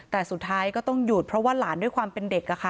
แต่สุดท้ายก็ต้องหยุดเพราะว่าหลานด้วยความเป็นเด็กอะค่ะ